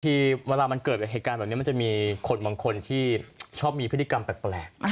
เวลามันเกิดเหตุการณ์แบบนี้มันจะมีคนบางคนที่ชอบมีพฤติกรรมแปลก